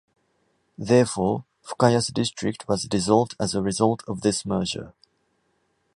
Therefore, Fukayasu District was dissolved as a result of this merger.